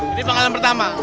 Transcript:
ini pengalaman pertama